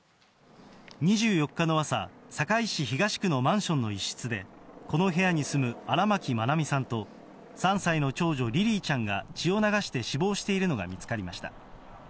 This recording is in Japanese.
２４日の朝、堺市東区のマンションの一室で、この部屋に住む、荒牧愛美さんと３歳の長女、リリィちゃんが血を流して死亡しているのが見つかりました。